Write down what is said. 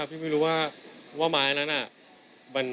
พี่ไม่รู้ว่าว่ามายนั้น